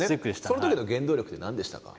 そのときの原動力って何でしたか？